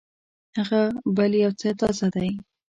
هغه بل يو څه تازه دی.